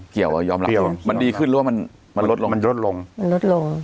เกี่ยวอะยอมรับมันดีขึ้นหรือว่ามันมันลดลงมันลดลง